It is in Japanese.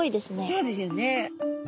そうですよね。